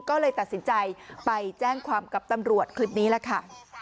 ก็เลยตัดสินใจไปแจ้งความกับตำรวจคลิปนี้แหละค่ะ